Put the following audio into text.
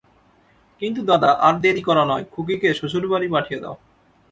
কিন্তু দাদা, আর দেরি করা নয়, খুকিকে শ্বশুরবাড়ি পাঠিয়ে দাও।